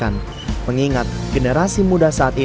risma ingin melestarikan budaya kami